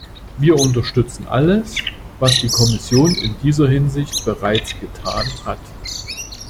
Wir unterstützen alles, was die Kommission in dieser Hinsicht bereits getan hat.